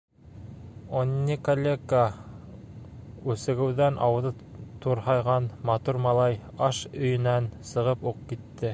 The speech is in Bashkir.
Он не калека! - үсегеүҙән ауыҙы турһайған матур малай аш өйөнән сығып уҡ китте.